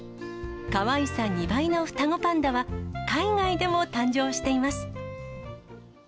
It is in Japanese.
かわいさ２倍の双子パンダは、海外でも誕生しています。